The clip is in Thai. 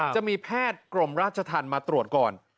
๖จะมีแพทย์เกมราชธันตรวจก่อน